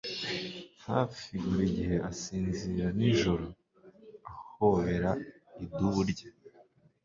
hafi buri gihe asinzira nijoro ahobera idubu rye